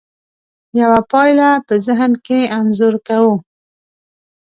یوه پایله په ذهن کې انځور کوو.